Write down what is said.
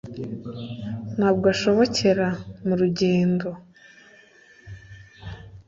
Nta bwo ashobokera mu rugendo!